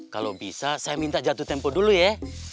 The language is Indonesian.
kalau bisa saya minta jatuh tempo dulu ya